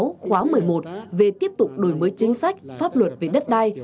tuyết hội nghị trung mương sáu khóa một mươi một về tiếp tục đổi mới chính sách pháp luật về đất đai